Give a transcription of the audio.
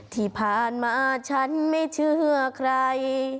ที่ผ่านมาฉันไม่เชื่อใคร